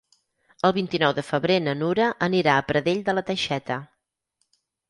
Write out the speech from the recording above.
El vint-i-nou de febrer na Nura anirà a Pradell de la Teixeta.